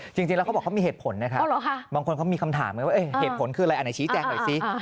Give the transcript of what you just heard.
จริงแล้วเขาบอกเขามีเหตุผลนะครับบางคนเขามีคำถามไงว่าเหตุผลคืออะไรอันไหนชี้แจงหน่อยสิ